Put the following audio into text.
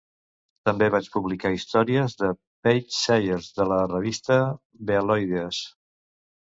També vaig publicar històries de Peig Sayers a la revista "Béaloideas".